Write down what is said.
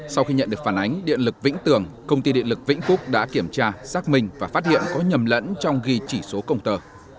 sau khi nhận được phản ánh điện lực vĩnh tường công ty điện lực vĩnh phúc đã kiểm tra xác minh và phát hiện có nhầm lẫn trong ghi chỉ số công tờ